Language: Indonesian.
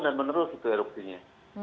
dan menerus itu erupsinya